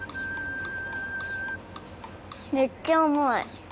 めっちゃあまい。